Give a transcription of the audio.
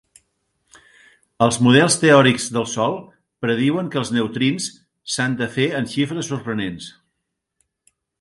Els models teòrics del Sol prediuen que els neutrins s'han de fer en xifres sorprenents.